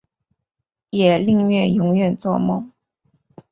也宁愿永远作梦